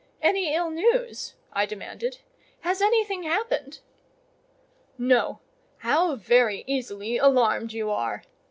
"Any ill news?" I demanded. "Has anything happened?" "No. How very easily alarmed you are!"